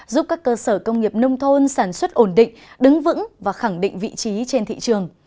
giúp các cơ sở công nghiệp nông thôn sản xuất ổn định đứng vững và khẳng định vị trí trên thị trường